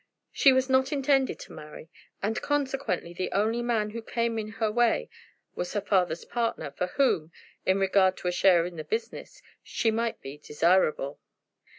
She was not intended to marry, and consequently the only man who came in her way was her father's partner, for whom, in regard to a share in the business, she might be desirable.